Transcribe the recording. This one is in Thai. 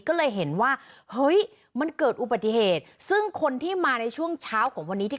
ก็เลยเห็นว่าเฮ้ยมันเกิดอุบัติเหตุซึ่งคนที่มาในช่วงเช้าของวันนี้ที่